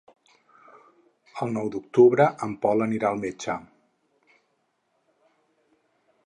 El nou d'octubre en Pol anirà al metge.